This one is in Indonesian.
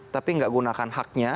tapi enggak gunakan haknya